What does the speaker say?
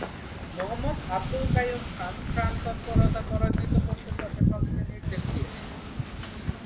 মুহম্মদ আবদুল কাইয়ুম খান ত্রাণ তৎপরতা ত্বরান্বিত করতে প্রশাসনকে নির্দেশ দিয়েছেন।